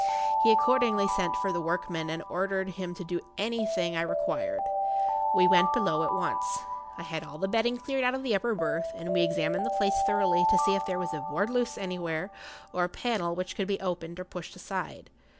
He accordingly sent for the workman and ordered him to do anything I required. We went below at once. I had all the bedding cleared out of the upper berth, and we examined the[Pg 54] place thoroughly to see if there was a board loose anywhere, or a panel which could be opened or pushed aside.